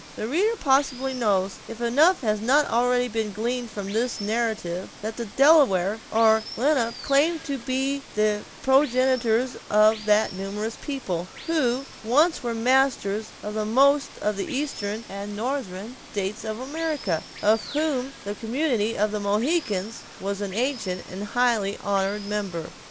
The reader probably knows, if enough has not already been gleaned form this narrative, that the Delaware, or Lenape, claimed to be the progenitors of that numerous people, who once were masters of most of the eastern and northern states of America, of whom the community of the Mohicans was an ancient and highly honored member.